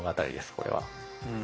これは。